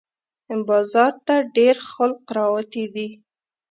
بازار ته ډېر خلق راوتي دي